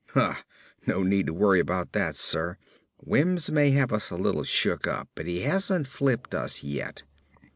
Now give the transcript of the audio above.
"Hah! No need to worry about that, sir. Wims may have us a little shook up but he hasn't flipped us yet."